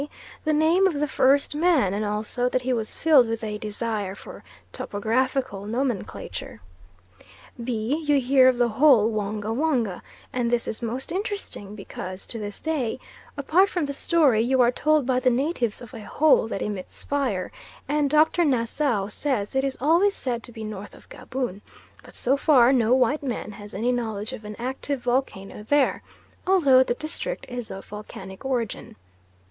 The name of the first man, and also that he was filled with a desire for topographical nomenclature. B. You hear of the Hole Wonga Wonga, and this is most interesting because to this day, apart from the story, you are told by the natives of a hole that emits fire, and Dr. Nassau says it is always said to be north of Gaboon; but so far no white man has any knowledge of an active volcano there, although the district is of volcanic origin.